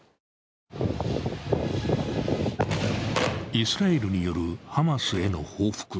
イスラエルによるハマスへの報復。